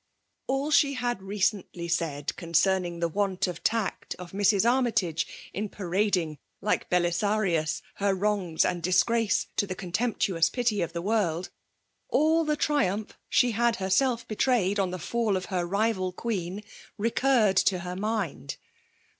All she bad recently said concerning^ the want of tact of Mrs^ Armytage, in panding^ like BeUsariuB, ber wrongs and dbigrace to tbe.contempti])OUB pity of tbe world, — all tbs trinmpb sbe bad berself betrayed on tihe fall oF ber* rival queen; — ^recurred to ber mind